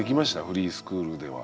フリースクールでは。